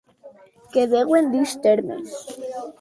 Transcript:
Que deuen dus tèrmes.